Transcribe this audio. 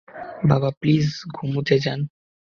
বাবা, প্লিজ ঘুমোতে যান।